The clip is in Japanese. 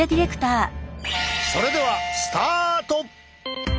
それではスタート！